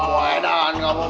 wah edahan ngamu mah